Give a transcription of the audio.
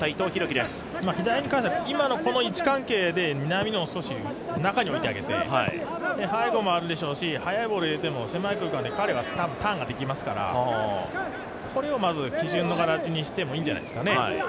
今のこの位置関係で南野を少し外に置いてあげて背後もあるでしょうし、速いボールでも狭い空間で彼はターンができますから、これを基準の形にしてもいいんじゃないでしょうかね。